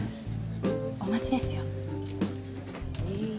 お待ちですよ。